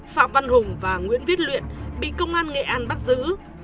phạm văn hùng và nguyễn viết luyện bị công an nghệ an bắt giữ